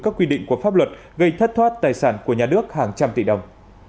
các quy định của pháp luật gây thất thoát tài sản của nhà nước hàng trăm tỷ đồng